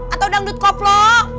atau dangdut koplo